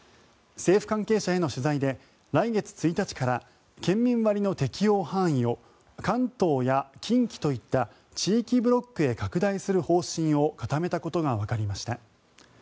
政府関係者への取材で来月１日から県民割の適用範囲を関東や近畿といった地域ブロックへ拡大する方針を固めたことがわかりました。